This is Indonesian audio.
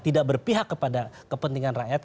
tidak berpihak kepada kepentingan rakyat